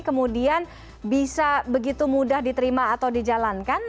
kemudian bisa begitu mudah diterima atau dijalankan